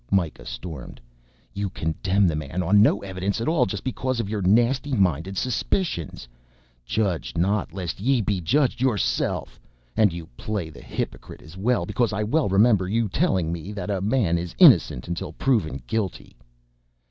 Mikah stormed. "You condemn the man on no evidence at all, just because of your nasty minded suspicions. Judge not lest ye be judged yourself! And you play the hypocrite as well, because I well remember your telling me that a man is innocent until proven guilty."